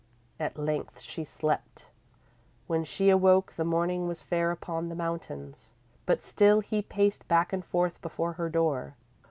_ _At length, she slept. When she awoke the morning was fair upon the mountains, but still he paced back and forth before her door.